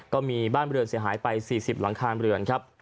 ก็มีบ้านบริเวณเสียหายไป๔๐หลังคาบริเวณครับ